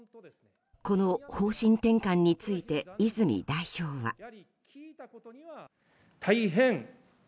この方針転換について泉代表は。